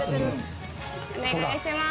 お願いします。